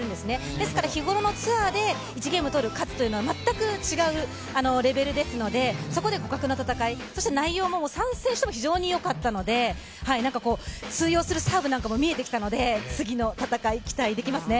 ですから日頃のツアーで１ゲームとる、勝つというのは全く違うレベルですのでそこで互角の戦い、そして内容も３選手とも非常に良かったので通用するサーブも見えてきたので、次の戦い、期待できますね。